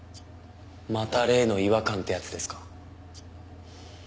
また例の違和感ってやつですか？